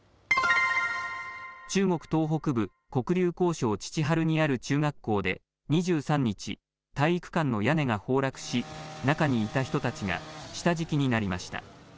中国東北部、黒竜江省チチハルにある中学校で２３日、体育館の屋根が崩落し、中にいた人たちが下敷きになりました。